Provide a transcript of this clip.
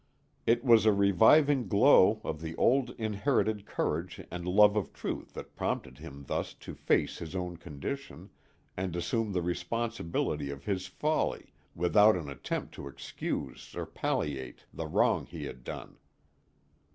It was a reviving glow of the old inherited courage and love of truth that prompted him thus to face his own condition, and assume the responsibility of his folly without an attempt to excuse or palliate the wrong he had done.